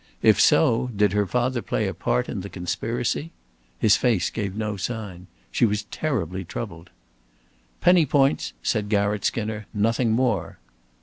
If so, did her father play a part in the conspiracy? His face gave no sign. She was terribly troubled. "Penny points," said Garratt Skinner. "Nothing more."